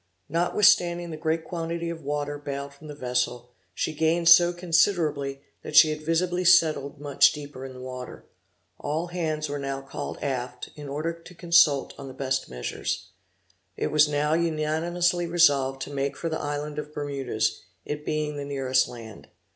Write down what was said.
Notwithstanding the great quantity of water bailed from the vessel, she gained so considerably that she had visibly settled much deeper in the water. All hands were now called aft, in order to consult on the best measures. It was now unanimously resolved to make for the island of Bermudas, it being the nearest land.